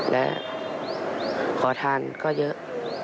และขอทานก็เยอะ